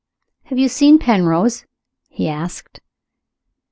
"Have you seen Penrose?" he asked.